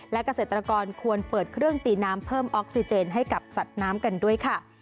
และเกษตรกรควรเปิดเครื่องตีน้ำเพิ่มออกซิเจนให้กับสัตว์น้ำกันด้วยค่ะ